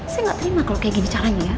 saya nggak terima kalau kayak gini caranya ya